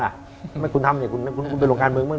ทำไมคุณทำเนี่ยคุณไปลงการเมืองบ้าง